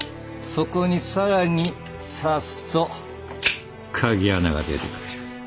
そこに更に刺すと鍵穴が出てくる。